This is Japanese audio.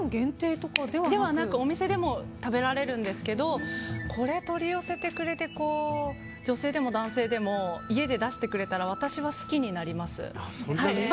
ではなくお店でも食べられるんですがこれを取り寄せてくれて女性でも男性でも家で出してくれたらそんなに？